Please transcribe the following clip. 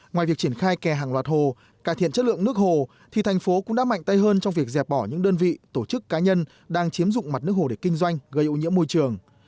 ngoài việc triển khai kè hàng loạt hồ cải thiện chất lượng nước hồ thì thành phố cũng đã mạnh tay hơn trong việc dẹp bỏ những đơn vị tổ chức cá nhân đang chiếm dụng mặt nước hồ để kinh doanh gây ô nhiễm môi trường